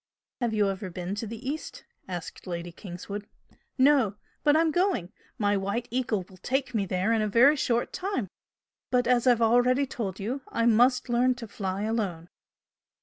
"Have you ever been to the East?" asked Lady Kingswood. "No but I'm going! My 'White Eagle' will take me there in a very short time! But, as I've already told you, I must learn to fly alone."